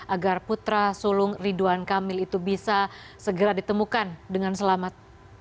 agar putra sulung ridwan kamil itu bisa segera ditemukan dengan selamat